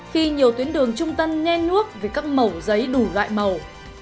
khi nhiều tuyến đường trung tân nhen nuốt vì các mẩu giấy đủ gại màu